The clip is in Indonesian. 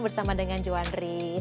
bersama dengan joandri